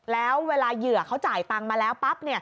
แล้วเวลาเหยื่อเขาจ่ายตังค์มาแล้วปั๊บ